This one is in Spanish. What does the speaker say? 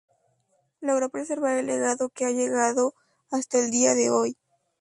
Logró preservar el legado que ha llegado hasta el día de hoy.